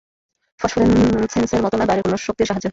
ফস্ফোরেসেন্সের মত নয়, বাইরের কোন শক্তির সাহায্য